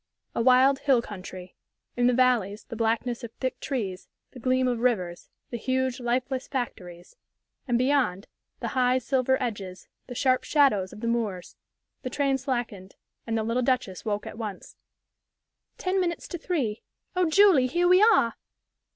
A wild, hill country. In the valleys, the blackness of thick trees, the gleam of rivers, the huge, lifeless factories; and beyond, the high, silver edges, the sharp shadows of the moors.... The train slackened, and the little Duchess woke at once. "Ten minutes to three. Oh, Julie, here we are!"